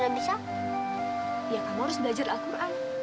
dosa deh sudah tahu kan